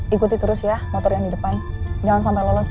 ikuti terus ya motor yang di depan jangan sampai lolos